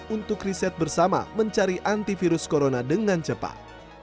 untuk riset bersama mencari antivirus corona dengan cepat